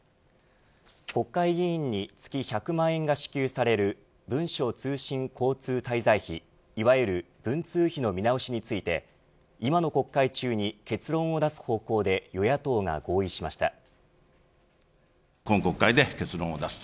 国会議員に月１００万円が支給される文書通信交通滞在費いわゆる文通費の見直しについて今の国会中に結論を出す方向で与野党が合意しました。